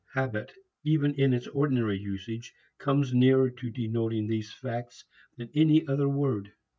Habit even in its ordinary usage comes nearer to denoting these facts than any other word.